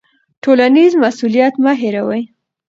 ټولنیز مسوولیت مه هیروئ.